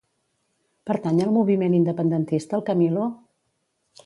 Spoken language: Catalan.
Pertany al moviment independentista el Camilo?